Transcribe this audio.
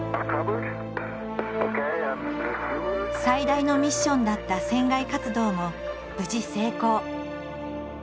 最大のミッションだった船外活動も無事成功。